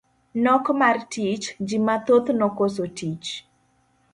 Nok mar tich, ji mathoth nokoso tich.